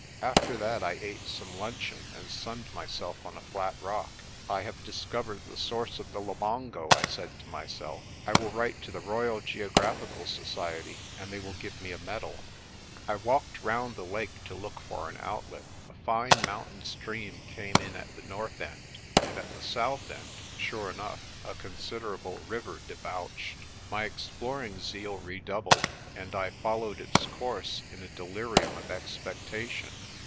After that I ate some lunch eon, and sunned myself on a flat rock. "I have discovered the source of the Labongo," I said to myself. "I will write to the Royal Geographical Society, and they will give me a medal." I walked round the lake to look for an outlet. A fine mountain stream came in at the north end, and at the south end, sure enough, a considerable river debouched. My ex ploring zeal redoubled, and I followed its course in a de lirium of expectation.